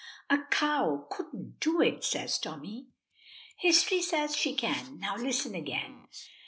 "A cow couldn't do it," says Tommy. "History says she can. Now, listen again.